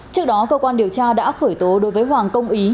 trước đó cơ quan điều tra đã khởi tố đối với hoàng công ý